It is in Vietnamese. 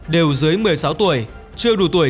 đều dưới một mươi sáu tuổi chưa đủ tuổi